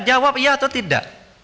jawab iya atau tidak